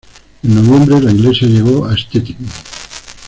En noviembre la iglesia llegó a Stettin.